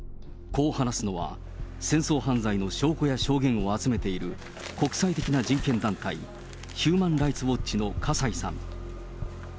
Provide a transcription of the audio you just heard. こう話すのは、戦争犯罪の証拠や証言を集めている、国際的な人権団体、ヒューマン・ライツ・ウォッチの笠井さん。